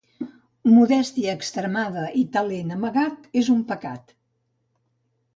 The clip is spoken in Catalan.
Modèstia extremada i talent amagat és un pecat.